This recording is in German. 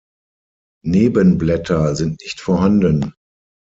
Nebenblätter sind nicht vorhanden.